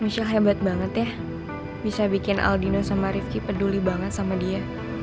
michelle hebat banget ya bisa bikin aldino sama rifki peduli banget sama dia